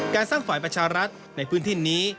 การสร้างฝ่ายประชารัฐในพื้นที่นี้